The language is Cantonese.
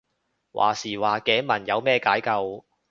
話時話頸紋有咩解救